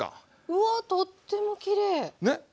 うわっとってもきれい！